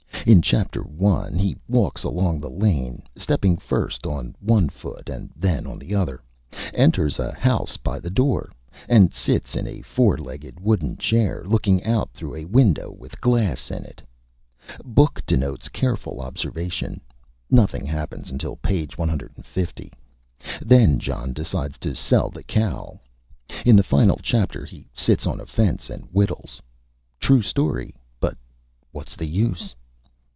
In Chapter I. he walks along the Lane, stepping first on one Foot and then on the Other, enters a House by the Door, and sits in a four legged wooden Chair, looking out through a Window with Glass in it. Book denotes careful Observation. Nothing happens until Page 150. Then John decides to sell the Cow. In the Final Chapter he sits on a Fence and Whittles. True Story, but What's the Use?